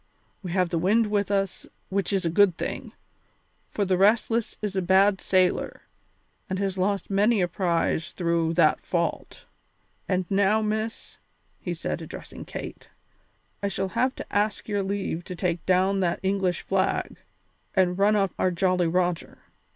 We have the wind with us, which is a good thing, for the Restless is a bad sailer and has lost many a prize through that fault. And now, Miss," he said, addressing Kate, "I shall have to ask your leave to take down that English flag and run up our Jolly Roger.